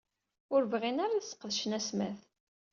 Ur bɣin ara ad sqedcen asmad.